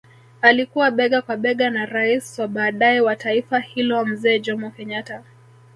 Alikuwa bega kwa bega na rais wa baadae wa taifa hilo mzee Jomo Kenyatta